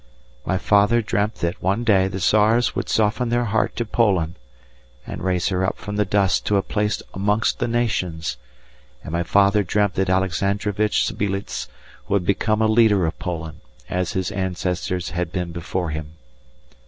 My father dreamt that one day the Tsars would soften their heart to Poland, and raise her up from the dust to a place amongst the nations, and my father dreamt that Alexandrovitch Sbeiliez would become a leader of Poland, as his ancestors had been before him.